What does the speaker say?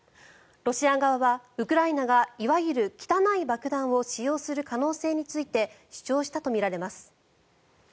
ロシア側は、ウクライナがいわゆる汚い爆弾を使用する可能性について主張したとみられます。